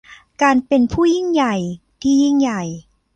การเป็นผู้ยิ่งใหญ่ที่ยิ่งใหญ่